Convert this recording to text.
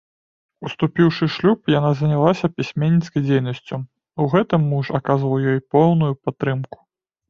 Уступіўшы ў шлюб, яна занялася пісьменніцкай дзейнасцю, у гэтым муж аказваў ёй поўную падтрымку.